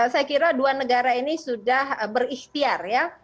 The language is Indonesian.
saya kira dua negara ini sudah berikhtiar ya